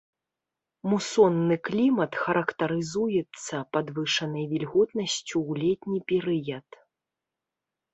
Мусонны клімат характарызуецца падвышанай вільготнасцю ў летні перыяд.